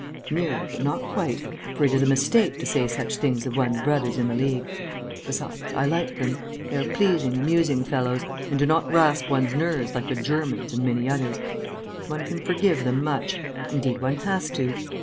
Nearly, but not quite, for it is a mistake to say such things of one's brothers in the League. Besides, I like them. They are pleasing, amusing fellows, and do not rasp one's nerves like the Germans and many others. One can forgive them much; indeed, one has to.